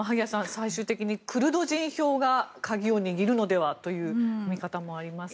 最終的にクルド人票が鍵を握るのではという見方もありますが。